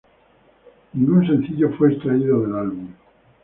Ningún sencillo fue extraído del álbum.